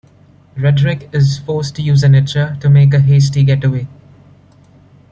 Redrick is forced to use an "itcher" to make a hasty getaway.